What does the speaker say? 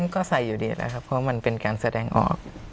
ก็ใส่อยู่ดีนะครับเพราะมันเป็นการแสดงออก